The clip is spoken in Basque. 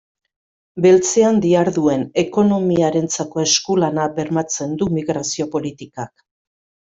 Beltzean diharduen ekonomiarentzako esku-lana bermatzen du migrazio politikak.